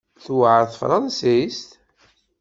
Tewεer tefransist?